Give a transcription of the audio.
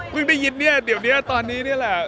พึ่งได้ยินเนี่ยตอนนี้เนี่ยแหละ